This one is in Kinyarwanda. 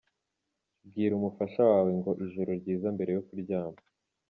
Bwira umufasha wawe ngo “Ijoro ryiza” mbere yo kuryama.